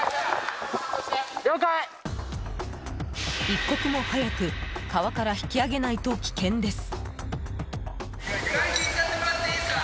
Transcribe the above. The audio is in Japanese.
一刻も早く川から引き上げないと危険です。